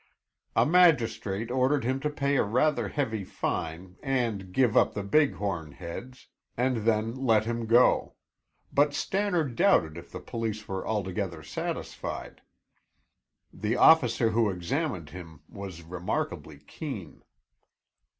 A magistrate ordered him to pay a rather heavy fine and give up the big horn heads, and then let him go, but Stannard doubted if the police were altogether satisfied. The officer who examined him was remarkably keen.